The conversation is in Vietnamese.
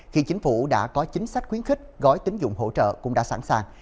khi chính phủ đã có chính sách khuyến khích gói tính dụng hỗ trợ cũng đã sẵn sàng